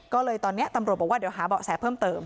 ก็เลยตอนนี้ตำรวจบอกว่าเดี๋ยวหาเบาะแสเพิ่มเติม